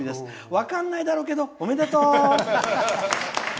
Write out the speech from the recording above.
分かんないだろうけどおめでとう！